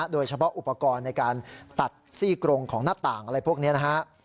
โดยเฉพาะอุปกรณ์ในการตัดซี่กรงของหน้าต่างอะไรพวกนี้นะฮะ